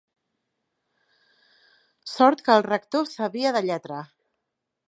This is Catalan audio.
Sort que el rector sabia de lletra.